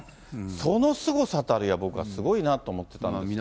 そのすごさたるや僕はすごいなと思ってたんですよ。